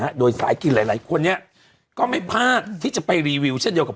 โดยสายกินหลายหลายคนเนี่ยก็ไม่พลาดที่จะไปรีวิวเช่นเดียวกับ